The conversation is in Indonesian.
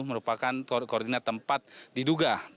merupakan koordinat tempat diduga